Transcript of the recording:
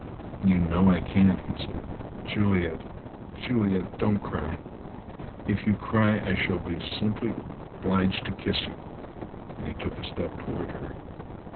"You know I can't," he said. "Juliet, Juliet, don't cry. If you cry I shall be simply obliged to kiss you." And he took a step towards her.